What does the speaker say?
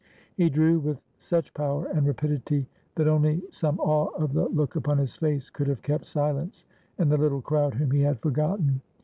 He drew with such power and rapidity that only some awe of the look upon his face could have kept silence in the little crowd whom he had forgotten.